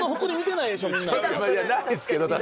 ないですけど。